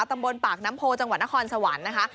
ตำบลปากน้ำโพจังหวัดนครสวรรค์นะคะ